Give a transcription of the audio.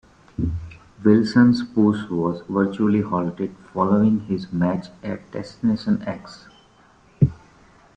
Wilson's push was virtually halted following his match at Destination X.